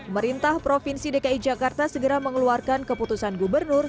merintah provinsi dki jakarta segera mengeluarkan keputusan gubernur